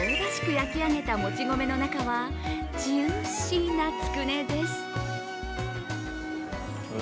焼き上げたもち米の中はジューシーなつくねです。